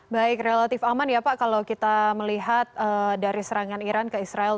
baik relatif aman ya pak kalau kita melihat dari serangan iran ke israel